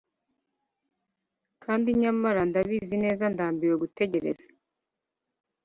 kandi nyamara ndabizi neza, ndambiwe gutegereza